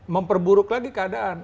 memperburuk lagi keadaan